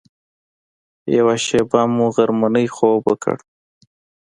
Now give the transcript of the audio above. یوه شېبه مو غرمنۍ خوب وکړ.